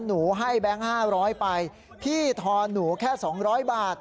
หนูให้แบงค์๕๐๐ไปพี่ทอนหนูแค่๒๐๐บาท